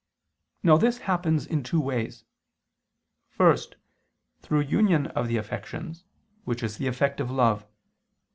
Now this happens in two ways: first, through union of the affections, which is the effect of love.